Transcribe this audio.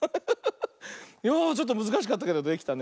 いやあちょっとむずかしかったけどできたね。